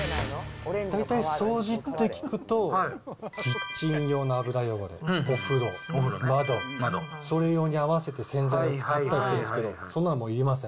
大体掃除って聞くと、キッチン用の油汚れ、お風呂、窓、それように合わせて洗剤を使ったりするんですけど、そんなのもういりません。